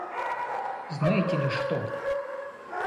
Знаете ли что?